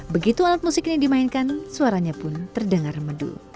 begitu alat musik ini dimainkan suaranya pun terdengar medu